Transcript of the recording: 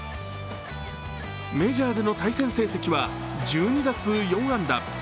メジャーでの対戦成績は１２打数４安打。